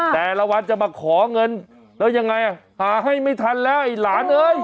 แต่ละวันจะมาขอเงินแล้วยังไงหาให้ไม่ทันแล้วไอ้หลานเอ้ย